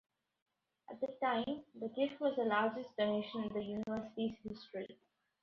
At the time, the gift was the largest donation in the university's history.